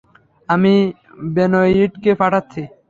আমি বেনোয়িটকে পাঠাচ্ছি।